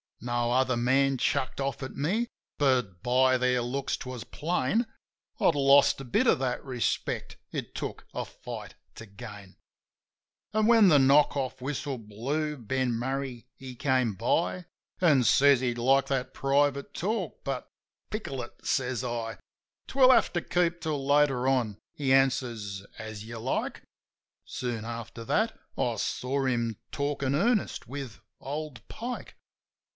No other man chucked off at me, but by their looks 'twas plain I'd lost a bit of that respect it took a fight to gain. An', when the knock off whistle blew, Ben Murray he came by. An' says he'd like that private talk, but, "Pickle it," says I. THE VISION 43 " 'Twill have to keep till later on." He answers, "As you like." ' Soon after that I saw him talkin' earnest with old Pike.